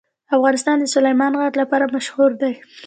افغانستان د سلیمان غر لپاره مشهور دی.